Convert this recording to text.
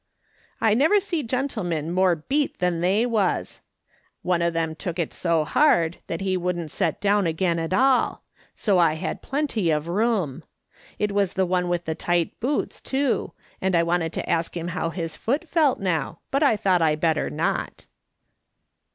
I never see gentlemen more beat than they was. One of them took it so hard that he wouldn't set down again at all ; so I had plenty of room. It was the one with the tight boots, too, and I wanted to ask him how his foot felt now, but I thought I better not."